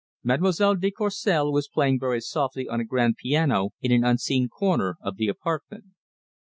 Mademoiselle de Courcelles was playing very softly on a grand piano in an unseen corner of the apartment.